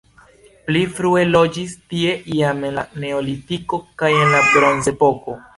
Pli frue loĝis tie jam en la neolitiko kaj en la bronzepoko.